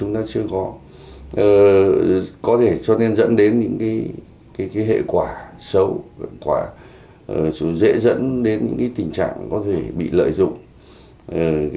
nó dễ dẫn đến những tình trạng có thể bị lợi dụng